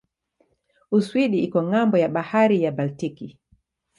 Uswidi iko ng'ambo ya bahari ya Baltiki.